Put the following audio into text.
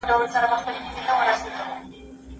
کښتۍ په نيت چلېږي.